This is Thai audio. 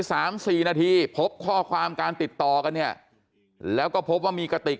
สามสี่นาทีพบข้อความการติดต่อกันเนี่ยแล้วก็พบว่ามีกระติก